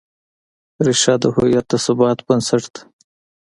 ریښه د هویت د ثبات بنسټ ده.